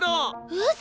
うそ！